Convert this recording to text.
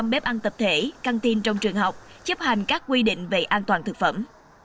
một trăm linh bếp ăn tập thể căng tin trong trường học chấp hành các quy định về an toàn thực phẩm